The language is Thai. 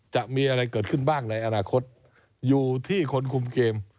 จะมีอะไรเกิดขึ้นบ้างในอนาคตอยู่ที่คนคุมเกม